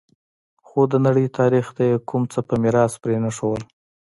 خو د نړۍ تاریخ ته یې کوم څه په میراث پرې نه ښودل